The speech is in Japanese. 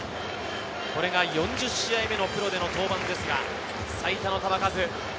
これが４０試合目のプロでの登板ですが最多の球数。